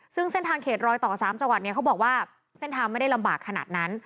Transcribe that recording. ซึ่งเส้นทางเขตรอยต่อ๓จังหวัดเนี่ยเขาบอกว่าเส้นทางไม่ได้ลำบากขนาดนั้น